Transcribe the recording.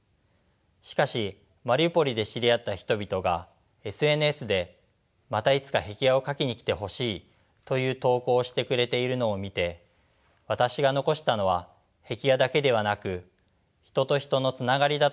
しかしマリウポリで知り合った人々がＳＮＳでまたいつか壁画を描きに来てほしいという投稿をしてくれているのを見て私が残したのは壁画だけではなく人と人のつながりだと気付かされました。